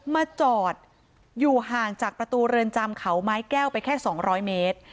มาจอดอยู่ห่างจากประตูเรือนจำเขาไม้แก้วไปแค่๒๐๐เมตร